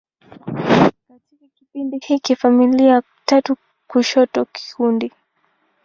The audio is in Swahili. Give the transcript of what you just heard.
Katika kipindi hiki, familia tatu kushoto kikundi.